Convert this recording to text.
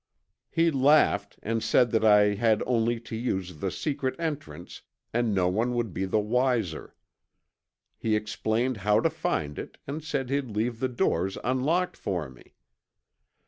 He laughed and said that I had only to use the secret entrance and no one would be the wiser. He explained how to find it and said he'd leave the doors unlocked for me.